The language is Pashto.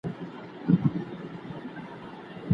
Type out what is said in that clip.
علمي مجله په ناسمه توګه نه رهبري کیږي.